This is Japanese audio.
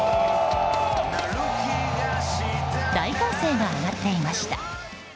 大歓声が上がっていました。